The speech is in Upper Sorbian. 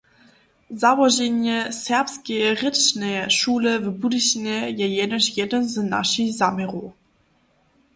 Załoženje serbskeje rěčneje šule w Budyšinje je jenož jedyn z našich zaměrow.